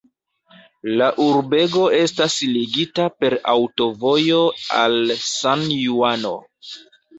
La urbego estas ligita per aŭtovojo al San-Juano.